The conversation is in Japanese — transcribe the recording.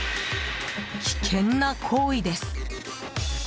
危険な行為です。